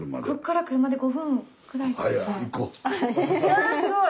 わすごい。